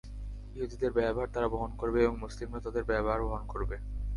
ইহুদিদের ব্যয়ভার তারা বহন করবে এবং মুসলিমরা তাদের ব্যয়ভার বহন করবে।